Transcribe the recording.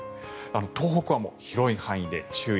東北はもう広い範囲で注意。